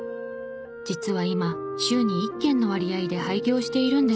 実は今週に１軒の割合で廃業しているんです。